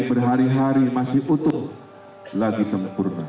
berhari hari masih utuh lagi sempurna